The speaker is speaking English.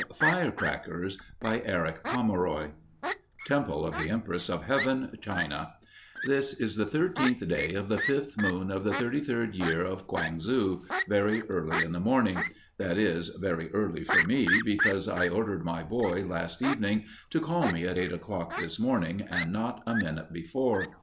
FIRECRACKERS BY ERICK POMEROY TEMPLE OF THE EMPRESS OF HEAVEN, CHINA This is the thirteenth day of the fifth moon of the thirty third year of Kwang su, very early in the morning that is, "very early" for me, because I ordered my "boy" last evening to call me at eight o'clock this morning and not a minute before.